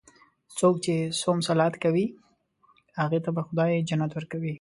څوک چې صوم صلات کوي، هغوی ته به خدا جنت ورکوي.